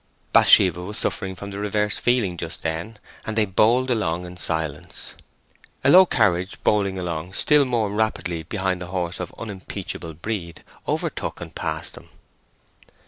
Bathsheba was suffering from the reverse feeling just then, and they bowled along in silence. A low carriage, bowling along still more rapidly behind a horse of unimpeachable breed, overtook and passed them.